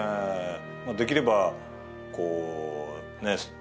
まあできればこうね